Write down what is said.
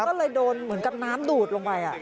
ก็เลยโดนเหมือนกับน้ำดูดลงไป